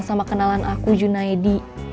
sama kenalan aku junaidi